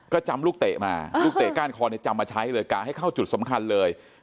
ก็จำลูกเตะมาลูกเตะก้านคอเนี่ยจำมาใช้เลยกะให้เข้าจุดสำคัญเลย